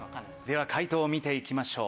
解答を見ていきましょう